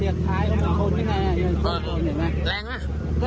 โอ้ยเหรอ